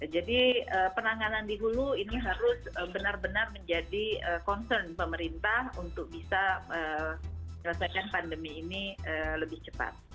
jadi penanganan di hulu ini harus benar benar menjadi concern pemerintah untuk bisa menyelesaikan pandemi ini lebih cepat